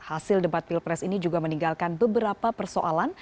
hasil debat pilpres ini juga meninggalkan beberapa persoalan